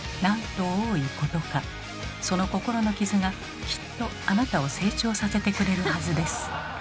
その心の傷がきっとあなたを成長させてくれるはずです。